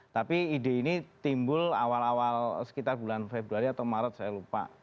tapi ide ini timbul awal awal sekitar bulan februari atau maret saya lupa